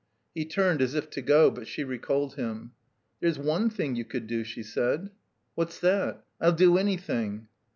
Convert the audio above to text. He turned as if to go; but she recalled him. There's one thing you could do," she said. 'What's that? I'll do anything."